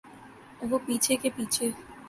وہ پیچھے کے پیچھے۔